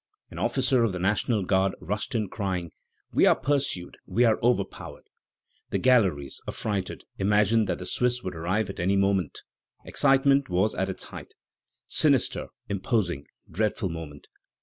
An officer of the National Guard rushed in, crying: "We are pursued, we are overpowered!" The galleries, affrighted, imagined that the Swiss would arrive at any moment. Excitement was at its height. Sinister, imposing, dreadful moment!